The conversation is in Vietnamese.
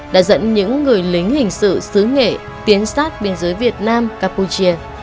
đã dẫn những người lính hình sự xứ nghệ tiến sát biên giới việt nam campuchia